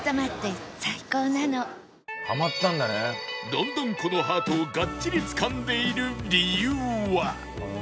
ロンドンっ子のハートをがっちりつかんでいる理由は